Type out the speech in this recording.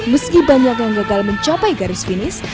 meski banyak yang gagal mencapai garis finish